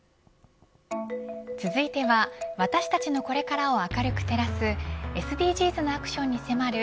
続いては私たちのこれからを明るく照らすＳＤＧｓなアクションに迫る＃